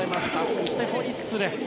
そして、ホイッスル。